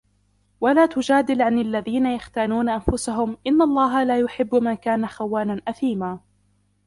ولا تجادل عن الذين يختانون أنفسهم إن الله لا يحب من كان خوانا أثيما